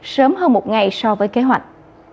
sớm hơn một ngày so với kế hoạch